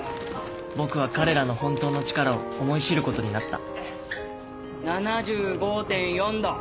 僕は彼らの本当の力を思い知ることになった７５．４度。